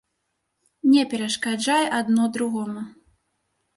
Не перашкаджае адно другому.